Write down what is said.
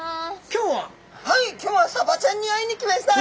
今日はサバちゃんに会いに来ました。